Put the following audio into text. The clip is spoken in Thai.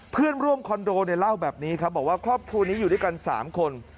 เพื่อนร่วมคอนโดเนี่ยเล่าแบบนี้ครับบอกว่าครอบครัวนี้อยู่ด้วยกัน๓คน